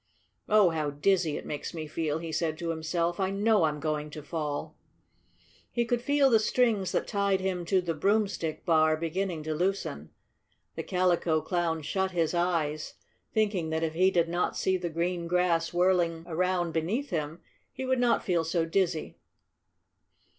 "Oh, how dizzy it makes me feel!" he said to himself. "I know I'm going to fall!" He could feel the strings that tied him to the broomstick bar beginning to loosen. The Calico Clown shut his eyes, thinking that if he did not see the green grass whirling around beneath him he would not feel so dizzy.